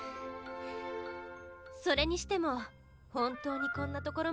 それにしても本当にこんなところまで来るなんて。